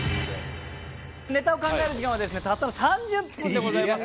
ネタを考える時間はですねたったの３０分でございます。